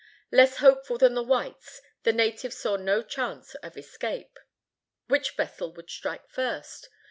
Less hopeful than the whites, the natives saw no chance of escape. Which vessel would strike first?